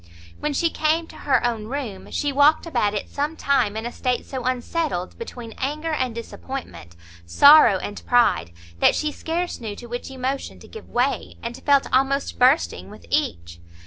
When she came to her own room, she walked about it some time in a state so unsettled, between anger and disappointment, sorrow and pride, that she scarce knew to which emotion to give way, and felt almost bursting with each.